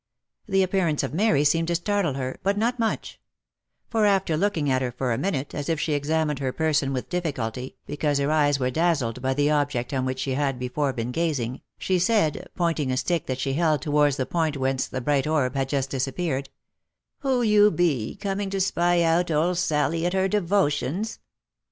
The appearance of Mary seemed to startle her, but not much ; for after looking at her for a minute as if she examined her person with difficulty, because her eyes were dazzled by the object on which she had before been gazing, she said, pointing a stick that she held towards the point whence the bright orb had just disappeared, " Who be you, coming to spy out old Sally at her devotions?"